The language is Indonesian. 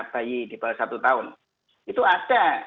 bayi di bawah satu tahun itu ada